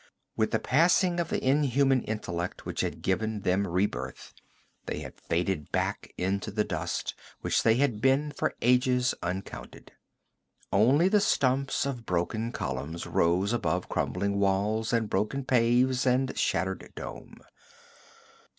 With the passing of the inhuman intellect which had given them rebirth, they had faded back into the dust which they had been for ages uncounted. Only the stumps of broken columns rose above crumbling walls and broken paves and shattered dome.